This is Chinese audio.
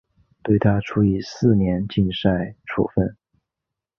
对她处以四年禁赛处分。